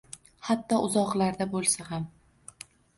Hatto, uzoqlarda bo`lsa ham